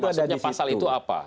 pasal itu apa